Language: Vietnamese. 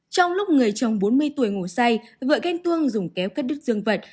trong lúc người chồng bốn mươi tuổi ngủ say gợi ghen tuông dùng kéo cắt đứt dương vật